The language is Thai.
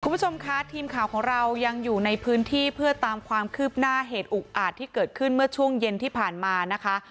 คุณผู้ชมคะทีมข่าวของเรายังอยู่ในพื้นที่เพื่อตามความคืบหน้าเหตุอุกอาจที่เกิดขึ้นเมื่อช่วงเย็นที่ผ่านมานะคะ